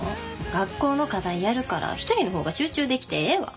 学校の課題やるから１人の方が集中できてええわ。